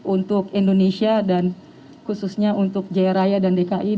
untuk indonesia dan khususnya untuk jaya raya dan dki